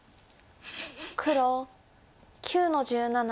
黒９の十七オシ。